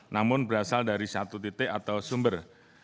namun berasal dari satu titik atau sumber